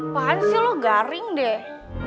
pan sih lo garing deh